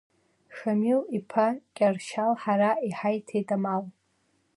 Шамил-иԥа Кьыршьал ҳара иҳаиҭеит амал.